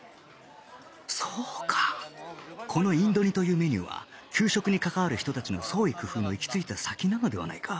そうかこのインド煮というメニューは給食に関わる人たちの創意工夫の行き着いた先なのではないか